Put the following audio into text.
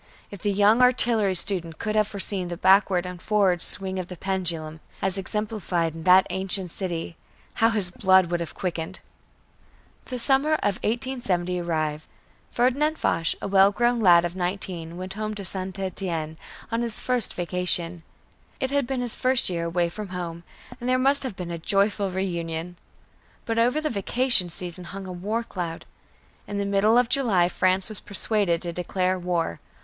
If the young artillery student could have foreseen the backward and forward swing of the pendulum, as exemplified in that ancient city, how his blood would have quickened! The summer of 1870 arrived. Ferdinand Foch, a well grown lad of nineteen, went home to St. Étienne on his first vacation. It had been his first year away from home, and there must have been a joyful reunion. But over the vacation season hung a war cloud. In the middle of July, France was persuaded to declare war.